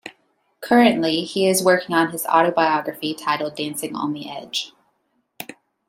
Currently, he is working on his autobiography, titled "Dancing On The Edge".